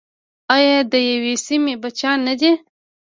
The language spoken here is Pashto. آیا د یوې سیمې بچیان نه دي؟